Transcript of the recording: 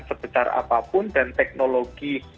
sebesar apapun dan teknologi